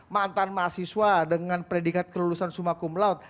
mantan mahasiswa dengan predikat kelulusan summa cum laude